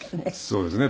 そうですね。